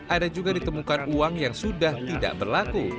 ada juga ditemukan uang yang sudah tidak berlaku